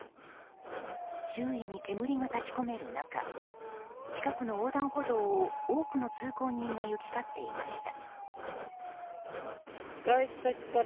周囲に煙が立ち込める中近くの横断歩道を多くの通行人が行き交っていました。